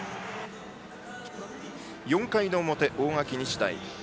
４回の表、大垣日大。